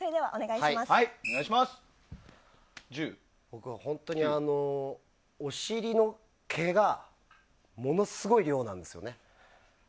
僕、本当にお尻の毛がものすごい量なんですよね。